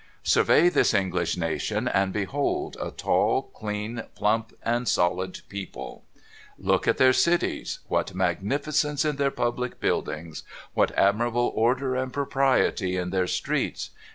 Survey this English nation, and behold a tall, clean, plump, and solid people ! Look at their cities ! What magnificence in their public buildings ! What admirable order and propriety in their streets